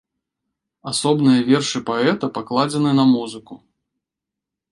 Асобныя вершы паэта пакладзены на музыку.